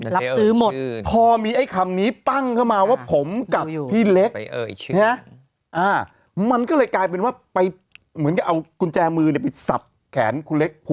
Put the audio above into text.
รับซื้อหมดพอมีไอ้คำนี้ปั้งเข้ามาว่าผมกับพี่เล็กมันก็เลยกลายเป็นว่าไปเหมือนกับเอากุญแจมือไปสับแขนคุณเล็ก